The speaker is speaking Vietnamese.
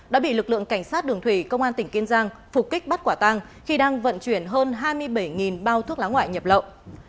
đã bị lực lượng cảnh sát đường thủy công an tỉnh kiên giang phục kích bắt quả tăng khi đang vận chuyển hơn hai mươi bảy bao thuốc lá ngoại nhập lậu